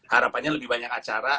harapannya lebih banyak acara